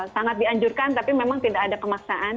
sangat dianjurkan tapi memang tidak ada kemaksaan